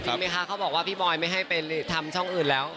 จริงไหมคะเขาบอกว่าพี่บอยไม่ให้ไปทำช่องอื่นแล้ว